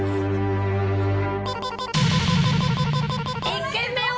１軒目を。